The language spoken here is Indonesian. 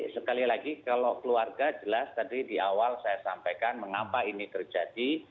sekali lagi kalau keluarga jelas tadi di awal saya sampaikan mengapa ini terjadi